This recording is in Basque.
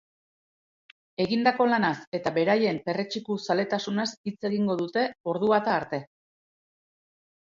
Egindako lanaz eta beraien perretxiku zaletasunaz hitz egingo dute ordubata arte.